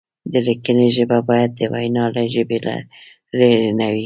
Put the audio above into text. د لیکنې ژبه باید د وینا له ژبې لرې نه وي.